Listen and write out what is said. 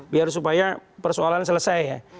biar supaya persoalan selesai ya